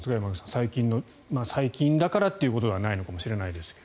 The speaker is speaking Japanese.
最近の最近だからということはないのかもしれないですけど。